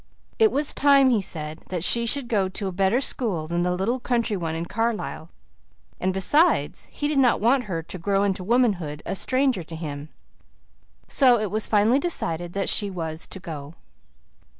It was time, he said, that she should go to a better school than the little country one in Carlisle; and besides, he did not want her to grow into womanhood a stranger to him. So it was finally decided that she was to go.